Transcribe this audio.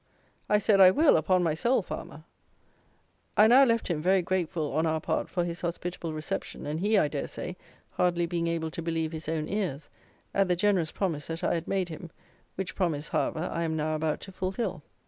I said, I will, upon my soul, farmer. I now left him, very grateful on our part for his hospitable reception, and he, I dare say, hardly being able to believe his own ears, at the generous promise that I had made him, which promise, however, I am now about to fulfil.